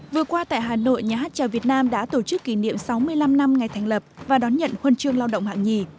vừa qua tại hà nội nhà hát trèo việt nam đã tổ chức kỷ niệm sáu mươi năm năm ngày thành lập và đón nhận huân chương lao động hạng nhì